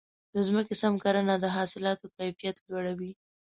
د ځمکې سم کرنه د حاصلاتو کیفیت لوړوي.